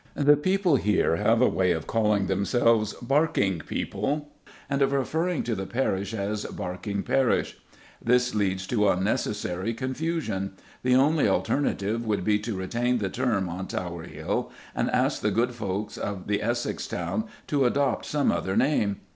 The people here have a way of calling themselves "Barking people" and of referring to the parish as "Barking parish." This leads to unnecessary confusion. The only alternative would be to retain the term on Tower Hill and ask the good folk of the Essex town to adopt some other name!